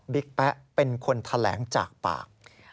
บิ๊กแป๊ะเป็นคนแทลงจากปาก